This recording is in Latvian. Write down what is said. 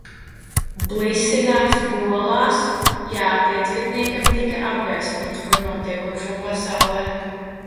Blisinās, bolās. Jā, piecgadniekam tika apgaismots par notiekošo pasaulē.